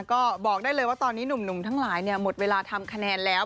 ก็บอกได้เลยว่าตอนนี้หนุ่มทั้งหลายหมดเวลาทำคะแนนแล้ว